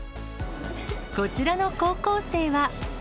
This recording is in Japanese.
こちらの高校生は。